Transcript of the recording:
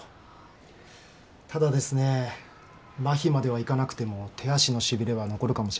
麻痺まではいかなくても手足のしびれは残るかもしれません。